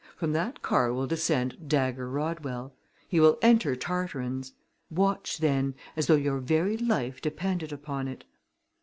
From that car will descend Dagger Rodwell. He will enter Tarteran's. Watch, then, as though your very life depended upon it!"